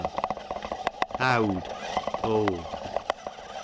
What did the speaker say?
Owd, old.